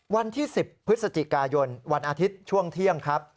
วันที่๑๐พฤศจิกายนวันอาทิตย์ช่วงเที่ยงครับ